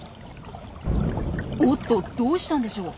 おっとどうしたんでしょう？